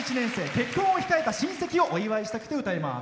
結婚を控えた親戚をお祝いしたくて歌います。